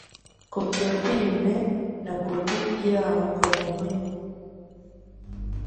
copy ya filime na copy y’irangamuntu ye